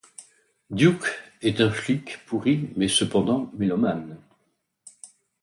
Duke est un flic pourri mais cependant mélomane.